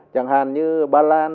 chẳng hạn như bà lan